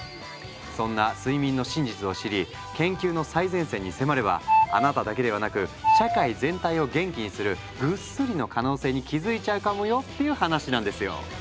そんな睡眠の真実を知り研究の最前線に迫ればあなただけではなく社会全体を元気にするグッスリの可能性に気付いちゃうかもよっていう話なんですよ。